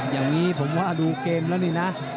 อย่างนี้ผมว่าดูเกมแล้วนี่นะ